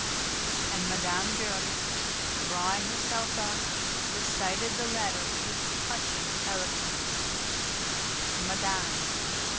And Mme. Giry, drawing herself up, recited the letter with touching eloquence: MADAM: 1825.